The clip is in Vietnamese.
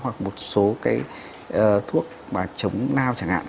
hoặc một số cái thuốc chống lao chẳng hạn